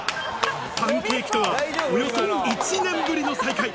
パンケーキとはおよそ１年ぶりの再会。